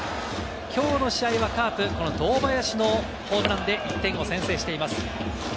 きょうの試合はカープ、この堂林のホームランで１点を先制しています。